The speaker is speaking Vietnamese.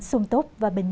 sung tốt và bình an